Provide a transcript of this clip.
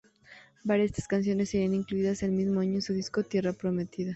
Varias de estas canciones serían incluidas el mismo año en su disco "Tierra prometida".